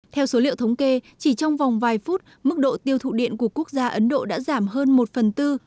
theo số liệu thống kê chỉ trong vòng vài phút mức độ tiêu thụ điện của quốc gia ấn độ đã giảm hơn một phần tư